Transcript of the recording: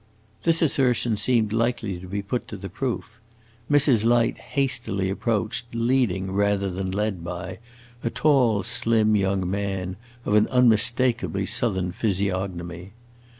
This assertion seemed likely to be put to the proof. Mrs. Light hastily approached, leading, rather than led by, a tall, slim young man, of an unmistakably Southern physiognomy.